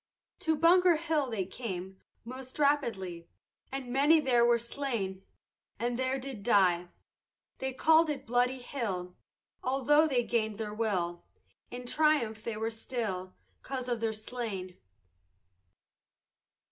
To Bunker Hill they came Most rapidly, And many there were slain, And there did die. They call'd it bloody hill, Altho' they gain'd their will In triumph they were still, 'Cause of their slain.